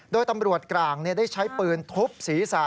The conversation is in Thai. โดยตำรวจกลางได้ใช้ปืนทุบศีรษะ